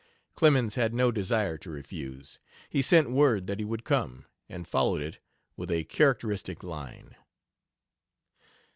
Clemens had no desire to refuse; he sent word that he would come, and followed it with a characteristic line.